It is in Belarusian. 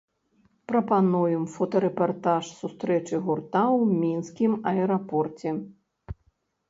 Прапануем фотарэпартаж сустрэчы гурта ў мінскім аэрапорце.